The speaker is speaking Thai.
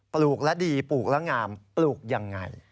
ปลูกแล้วดีปลูกแล้วงามปลูกอย่างไร